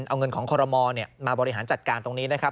เอาเงินของคอรมอลมาบริหารจัดการตรงนี้นะครับ